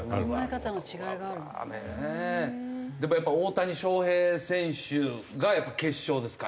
でも大谷翔平選手が決勝ですか？